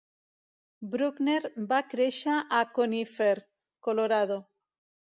Bruckner va créixer a Conifer, Colorado.